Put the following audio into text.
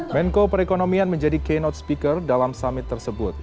menko perekonomian menjadi kaynote speaker dalam summit tersebut